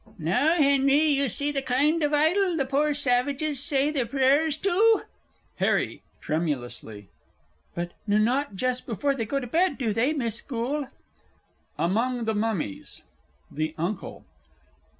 Now, Henry, you see the kind of idol the poor savages say their prayers to. HARRY (tremulously). But n not just before they go to bed, do they, Miss Goole? AMONG THE MUMMIES. THE UNCLE.